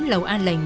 lẩu an lành